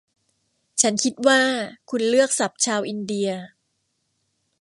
ฉันคิดว่าคุณเลือกศัพท์ชาวอินเดีย